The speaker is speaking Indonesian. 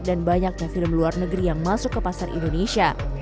dan banyaknya film luar negeri yang masuk ke pasar indonesia